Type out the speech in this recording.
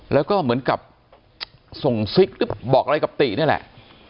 แล้วก็เหมือนกับส่งซิกหรือบอกอะไรกับตินี่แหละ